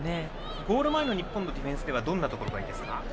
ゴール前の日本のディフェンスではどんなところがいいですか？